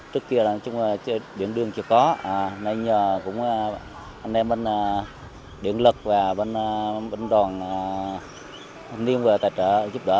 trước kia điện đường chưa có nay nhờ anh em bên điện lực và bên đoàn niên về tài trợ giúp đỡ